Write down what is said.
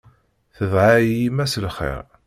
Tedɛa-yi yemma s lxir.